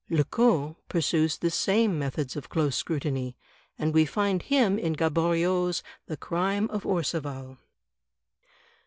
Lecoq pursues the same methods of close scrutiny, and we find him in Gaboriau's "The Crime of Orcival